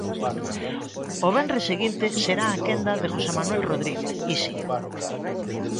O venres seguinte será a quenda de José Manuel Rodríguez, Isi.